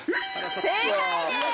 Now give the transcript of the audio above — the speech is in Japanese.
正解です！